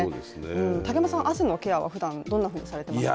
竹山さん、汗のケアはふだんどんなふうにされていますか？